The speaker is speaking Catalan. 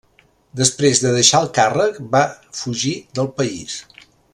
Després de deixar el càrrec, va fugir del país.